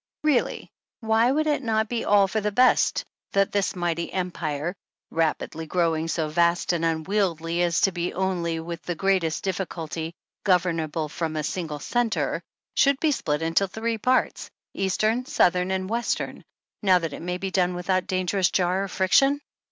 Really, why would it not be all for the best that 39 this mighty empire, rapidly growing so vast and un wieldy as to be only with the greatest difficulty gov ernable from a single centre, should be split into three parts. Eastern, Southern and Western, now that it may be done without dangerous jar or friction